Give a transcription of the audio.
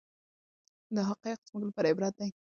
دا حقایق زموږ لپاره عبرت دي.